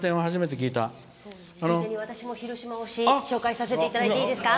ついでに、私も広島推し紹介させていただいていいですか。